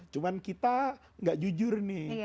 cuma kita nggak jujur nih